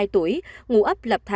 sáu mươi hai tuổi ngủ ấp lập thảm